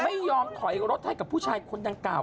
ไม่ยอมถอยรถให้กับผู้ชายคนดังกล่าว